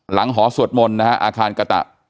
หอสวดมนต์นะฮะอาคารกะตะ